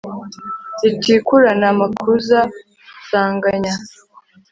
Rutikurana amakuza nsanganya